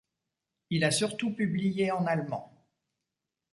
Il a surtout publié en allemand.